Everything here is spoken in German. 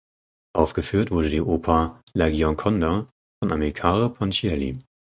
Aufgeführt wurde die Oper "La Gioconda" von Amilcare Ponchielli.